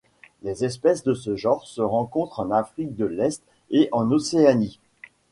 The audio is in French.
Les espèces de ce genre se rencontrent en Afrique de l'Est et en Océanie.